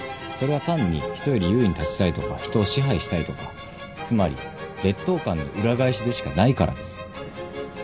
それは単に人より優位に立ちたいとか人を支配したいとかつまり劣等感の裏返しでしかないからです。